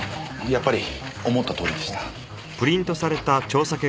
やっぱり思ったとおりでした。